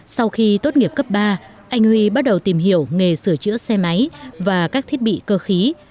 sau khi tốt nghiệp cấp ba anh huy bắt đầu tìm hiểu nghề sửa chữa xe máy và các thiết bị cơ khí